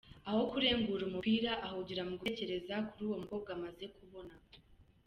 Aho kurengura umupira ahugira mu gutekereza kuri uwo mukobwa amaze kubona.